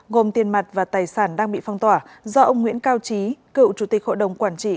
gồm tiền mặt và tài sản đang bị phong tỏa do ông nguyễn cao trí cựu chủ tịch hội đồng quản trị